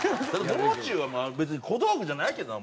もう中は別に小道具じゃないけどな。